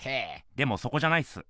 でもそこじゃないっす。